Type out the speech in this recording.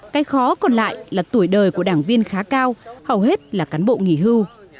cái khó còn lại là tuổi đời của đảng viên khá cao hầu hết là cán bộ nghỉ hưu